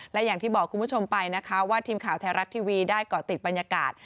และอย่างที่บอกคุณผู้ชมไปนะคะว่าทีมข่าวไทยรัฐทีวีได้เกาะติดบรรยากาศ